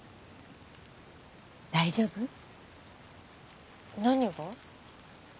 大丈夫？何が？